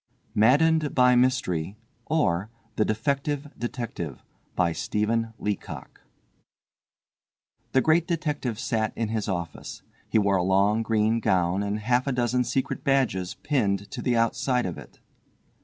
Maddened by Mystery: or, The Defective Detective The great detective sat in his office. He wore a long green gown and half a dozen secret badges pinned to the outside of it.